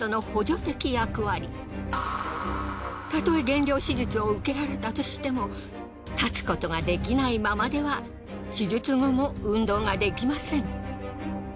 たとえ減量手術を受けられたとしても立つことができないままでは手術後も運動ができません。